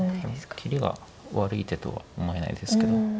切りが悪い手とは思えないですけど。